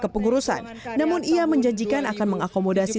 kepengurusan namun ia menjanjikan akan mengakomodasi